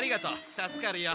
助かるよ。